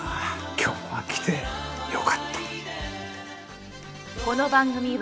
今日は来てよかった。